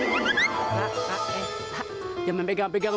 eh jangan pegang pegang